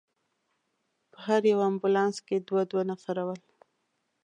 په هر یو امبولانس کې دوه دوه نفره ول.